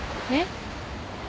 えっ？